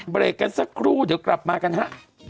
เบรกกันสักครู่เดี๋ยวกลับมากันฮะ